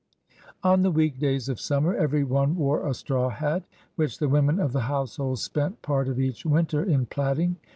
On the week days of sununer every one wore a straw hat which the women of the household spent part of each winter in plaiting.